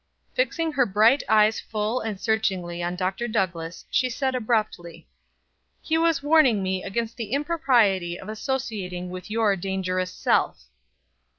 Fixing her bright eyes full and searchingly on Dr. Douglass, she said abruptly: "He was warning me against the impropriety of associating with your dangerous self."